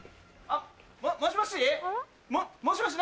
あっもしもし？